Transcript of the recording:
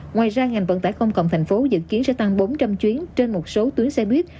ngoài ra ngành vận tải công cộng thành phố dự kiến sẽ tăng bốn trăm linh chuyến trên một số tuyến xe buýt